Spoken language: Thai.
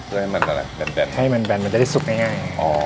เพื่อให้มันอะไรแบ่นแบ่นให้มันแบ่นมันจะได้สุกง่ายง่ายอ๋อ